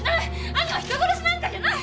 兄は人殺しなんかじゃない！